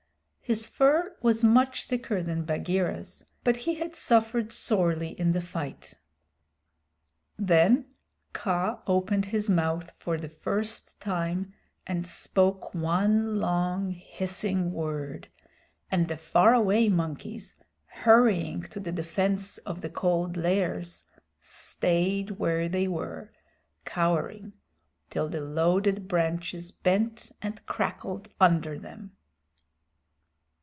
His fur was much thicker than Bagheera's, but he had suffered sorely in the fight. Then Kaa opened his mouth for the first time and spoke one long hissing word, and the far away monkeys, hurrying to the defense of the Cold Lairs, stayed where they were, cowering, till the loaded branches bent and crackled under them.